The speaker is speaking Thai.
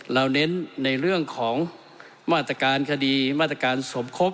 เน้นในเรื่องของมาตรการคดีมาตรการสมคบ